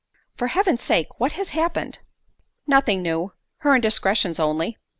"For Heaven's sake what has happened?" "Nothing new—her indiscretions only."